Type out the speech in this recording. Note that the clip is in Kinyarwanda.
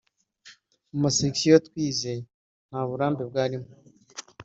mu ma sections twize, nta burambe bwarimo